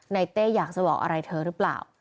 เต้อยากจะบอกอะไรเธอหรือเปล่า